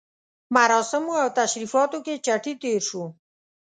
مراسمو او تشریفاتو کې چټي تېر شو.